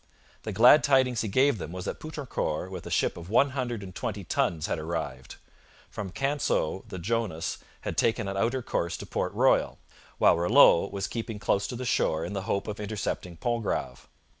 The glad tidings he gave them was that Poutrincourt with a ship of one hundred and twenty tons had arrived. From Canseau the Jonas had taken an outer course to Port Royal, while Ralleau was keeping close to the shore in the hope of intercepting Pontgrave.